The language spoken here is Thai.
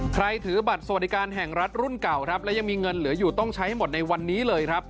ถือบัตรสวัสดิการแห่งรัฐรุ่นเก่าครับและยังมีเงินเหลืออยู่ต้องใช้ให้หมดในวันนี้เลยครับ